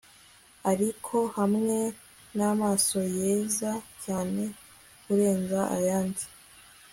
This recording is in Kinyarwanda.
ariko hamwe namaso yeza cyane kurenza ayanjye